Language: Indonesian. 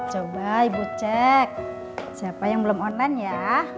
coba ibu cek siapa yang belum online ya